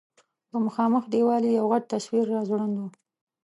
په مخامخ دېوال یو غټ تصویر راځوړند و.